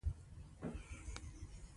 مرګ او ژوبله به پکې ډېره سوې وه.